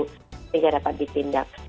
sehingga dapat dipindah